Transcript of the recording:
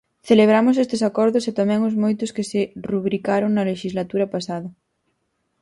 Celebramos estes acordos e tamén os moitos que se rubricaron na lexislatura pasada.